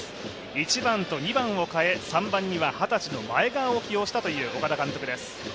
１番と２番を変え、３番に二十歳の前川を起用したという岡田監督です。